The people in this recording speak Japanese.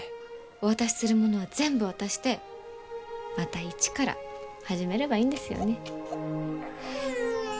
お渡しするものは全部渡してまた一から始めればいいんですよね。